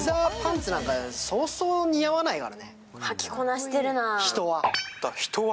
はきこなしてるな。